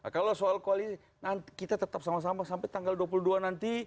kalau soal koalisi kita tetap sama sama sampai tanggal dua puluh dua nanti